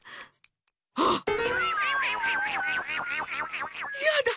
あっ⁉いやだ。